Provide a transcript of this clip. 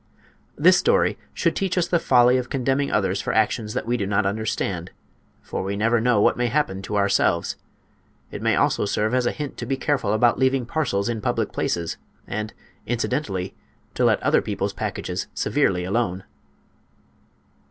This story should teach us the folly of condemning others for actions that we do not understand, for we never know what may happen to ourselves. It may also serve as a hint to be careful about leaving parcels in public places, and, incidentally, to let other people's packages severely alone.